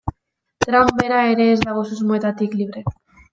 Trump bera ere ez dago susmoetatik libre.